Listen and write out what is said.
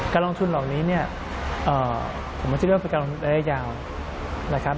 การลองทุนเหล่านี้ผมว่าจะเริ่มเป็นการลองทุนในระยะยาว